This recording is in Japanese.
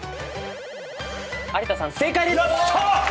有田さん正解です。